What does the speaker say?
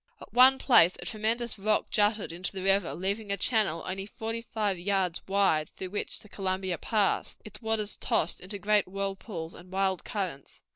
At one place a tremendous rock jutted into the river, leaving a channel only forty five yards wide through which the Columbia passed, its waters tossed into great whirlpools and wild currents.